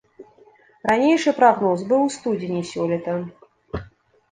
Ранейшы прагноз быў у студзені сёлета.